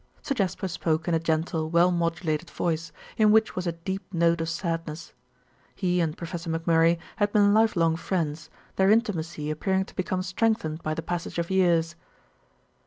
Sir Jasper spoke in a gentle, well modulated voice, in which was a deep note of sadness. He and Professor McMurray had been life long friends, their intimacy appearing to become strengthened by the passage of years.